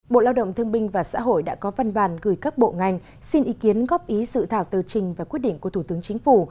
bộ lao động thương binh và xã hội đã có văn bản gửi các bộ ngành xin ý kiến góp ý sự thảo tư trình và quyết định của thủ tướng chính phủ